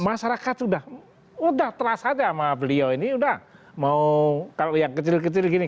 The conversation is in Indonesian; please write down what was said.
masyarakat sudah terasa aja sama beliau ini udah mau kalau yang kecil kecil gini